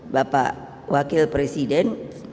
bapak wakil presiden